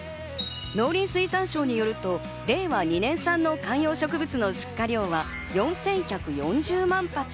農林水産省によると、令和２年産の観葉植物の出荷量は４１４０万鉢。